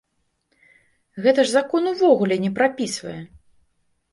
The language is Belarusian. Гэта ж закон увогуле не прапісвае!